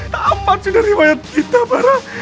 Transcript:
tamat sudah riwayat kita marah